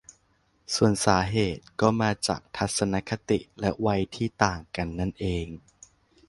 ส่วนสาเหตุก็มาจากทัศนคติและวัยที่ต่างกันนั่นเอง